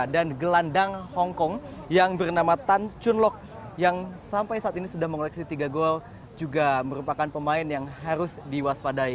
dan gelandang hongkong yang bernama tan chun lok yang sampai saat ini sudah mengoleksi tiga gol juga merupakan pemain yang harus diwaspadai